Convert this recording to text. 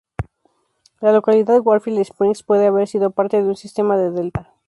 La localidad Warfield Springs puede haber sido parte de un sistema de delta.